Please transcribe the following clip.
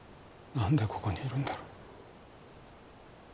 何でここにいるんだろう